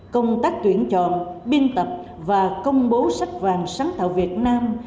công tác tuyển chọn biên tập và công bố sách vàng sáng tạo việt nam